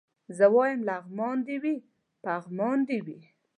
زه وايم لغمان دي وي پغمان دي وي